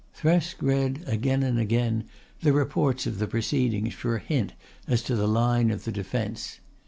Thresk read again and again the reports of the proceedings for a hint as to the line of the defence.